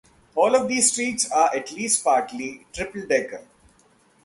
All of these streets are at least partly triple-decker.